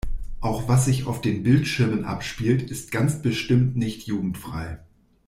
Auch was sich auf den Bildschirmen abspielt, ist ganz bestimmt nicht jugendfrei.